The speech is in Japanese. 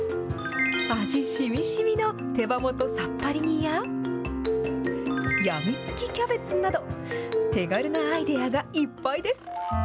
味しみしみの手羽元さっぱり煮や、やみつきキャベツなど、手軽なアイデアがいっぱいです。